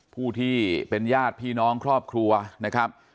ผู้ที่เป็นญาติพี่น้องครอบครัวนะครับ